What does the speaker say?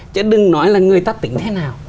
chứ đừng nói là người ta tính thế nào